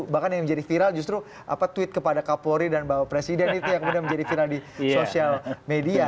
bahkan yang menjadi viral justru tweet kepada kapolri dan bapak presiden itu yang kemudian menjadi viral di sosial media